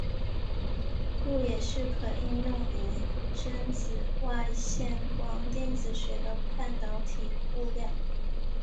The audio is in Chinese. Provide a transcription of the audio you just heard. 故也是可应用于深紫外线光电子学的半导体物料。